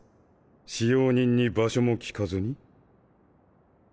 使用人に場所も聞かずに？